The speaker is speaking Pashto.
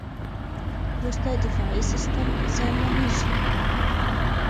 وروسته دفاعي سیستم زیانمنېږي.